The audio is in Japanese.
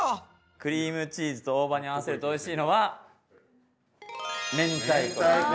クリームチーズと大葉に合わせるとおいしいのはめんたいこなんですね。